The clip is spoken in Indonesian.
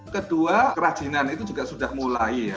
kedua kerajinan itu juga sudah mulai ya